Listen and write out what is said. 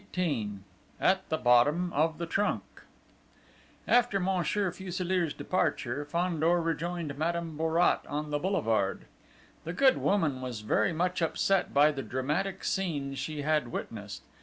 XVIII AT THE BOTTOM OF THE TRUNK After Monsieur Fuselier's departure, Fandor rejoined Madame Bourrat on the boulevard. The good woman was very much upset by the dramatic scene she had witnessed.